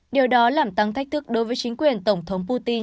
điều đó làm tăng thách thức đối với chính quyền tổng thống putin